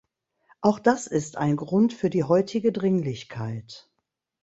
Auch das ist ein Grund für die heutige Dringlichkeit.